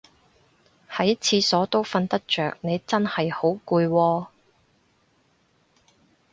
喺廁所都瞓得着你都真係好攰喎